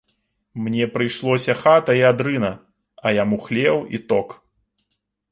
Мне прыйшлося хата і адрына, а яму хлеў і ток.